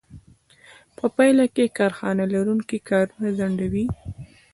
په پایله کې کارخانه لرونکي کارونه ځنډوي